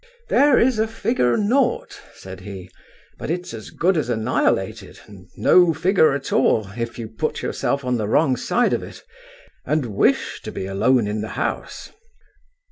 "There is a figure naught," said he, "but it's as good as annihilated, and no figure at all, if you put yourself on the wrong side of it, and wish to be alone in the house."